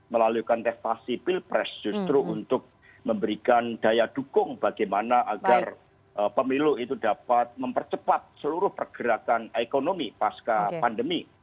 melalui kontestasi pilpres justru untuk memberikan daya dukung bagaimana agar pemilu itu dapat mempercepat seluruh pergerakan ekonomi pasca pandemi